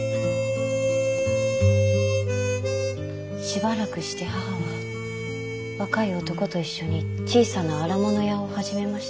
しばらくして母は若い男と一緒に小さな荒物屋を始めました。